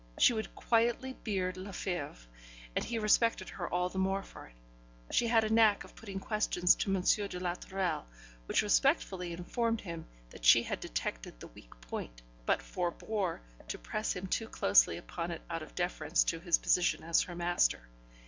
She would quietly beard Lefebvre, and he respected her all the more for it; she had a knack of putting questions to M. de la Tourelle, which respectfully informed him that she had detected the weak point, but forebore to press him too closely upon it out of deference to his position as her master.